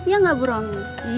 iya gak bu romi